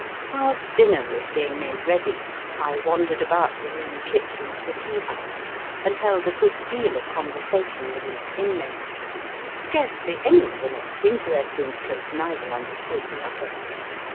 Whilst dinner was being made ready I wandered about the roomy kitchen of the tea house, and held a good deal of conversation with its inmates, scarcely any the less in teresting because neither understood the other.